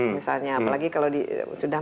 misalnya apalagi kalau sudah